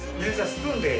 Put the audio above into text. スプーンで。